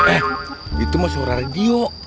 eh itu mah suara radio